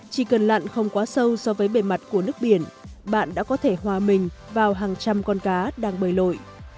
chỉ cần lặn không quá sâu so với bề mặt của nước biển bạn đã có thể hòa mình vào hàng trăm con cá đang bơi lội